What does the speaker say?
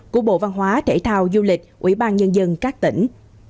của bộ văn hóa thể thao du lịch ủy ban nhân dân các tỉnh